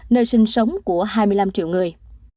nơi sinh sống của hai mươi năm triệu người